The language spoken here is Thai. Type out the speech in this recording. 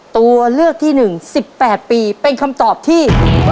ตัวเลือกที่๑๑๘ปีเป็นคำตอบที่